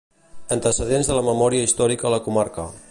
Antecedents de la memòria històrica a la comarca.